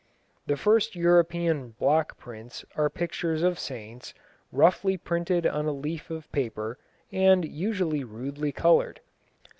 The first European block prints are pictures of saints, roughly printed on a leaf of paper and usually rudely coloured.